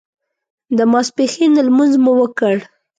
د ماسپښین لمونځ مو وکړ.